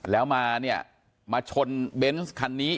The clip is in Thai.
แล้วมาเนี่ยมาชนเบนส์คันนี้